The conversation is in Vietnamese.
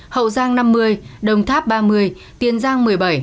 hậu giang năm mươi đồng tháp ba mươi tiền giang một mươi bảy